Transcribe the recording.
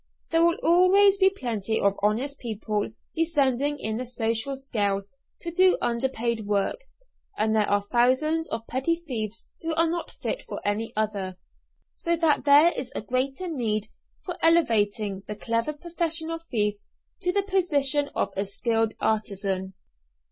There will always be plenty of honest people descending in the social scale to do underpaid work, and there are thousands of petty thieves who are not fit for any other. So that there is a greater need for elevating the clever professional thief to the position of a skilled artisan.